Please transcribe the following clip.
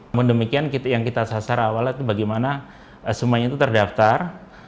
namun demikian yang kita sasar awalnya itu bagaimana semuanya itu terdaftar